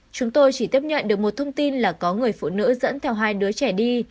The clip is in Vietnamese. chúng tôi chỉ tiếp nhận được một thông tin là có người phụ nữ dẫn theo hai đứa trẻ đi